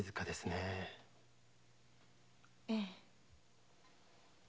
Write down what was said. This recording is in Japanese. ええ。